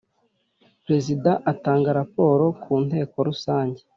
Perezida Atanga raporo ku Nteko Rusange